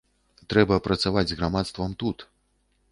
Трэба працаваць з грамадствам тут.